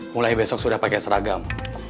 mulai besok sudah pakai seragam